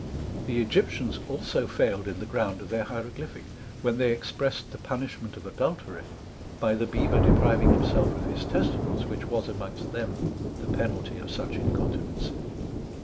The Egyptians also failed in the ground of their Hieroglyphick, when they expressed the punishment of Adultery by the Bever depriving himself of his testicles, which was amongst them the penalty of such incontinency.